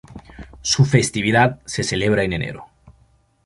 Su festividad se celebra en enero.